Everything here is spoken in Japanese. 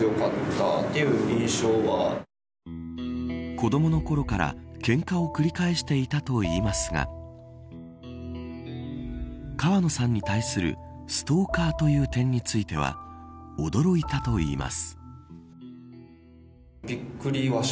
子どものころから、けんかを繰り返していたといいますが川野さんに対するストーカーという点については驚いたといいます。